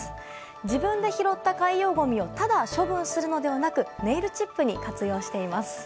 自分で拾った海洋ごみをただ処分するのではなくネイルチップに活用しています。